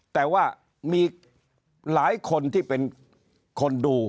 แต่ว่ามีหลายคนที่เป็นคนดู